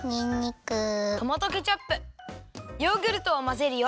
トマトケチャップヨーグルトをまぜるよ。